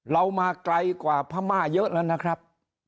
เรามาไกลกว่าพม่าเยอะแล้วนะครับ